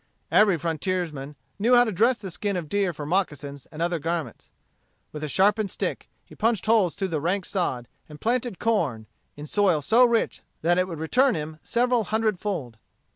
Every frontiersman knew how to dress the skin of deer for moccasins and other garments. With a sharpened stick he punched holes through the rank sod, and planted corn, in soil so rich that it would return him several hundred fold.